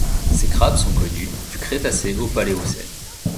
Ces crabes sont connus du Crétacé au Paléocène.